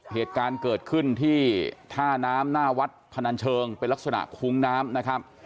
เหตุการณ์เกิดขึ้นที่ท่าน้ำหน้าวัดพนันเชิงเป็นลักษณะคุ้งน้ำนะครับ